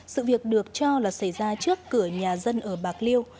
sự việc được cho là xảy ra trước cửa nhà dân ở bạc liêu